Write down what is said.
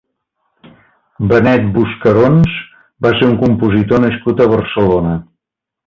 Benet Buscarons va ser un compositor nascut a Barcelona.